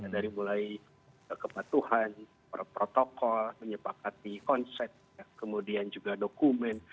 dari mulai kepatuhan protokol menyepakati konsep kemudian juga dokumen